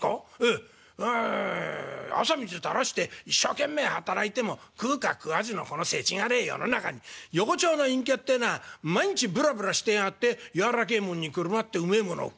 え汗水たらして一生懸命働いても食うか食わずのこのせちがれえ世の中に横町の隠居ってえのは毎日ぶらぶらしてやがって柔らけえもんにくるまってうめえものを食ってる。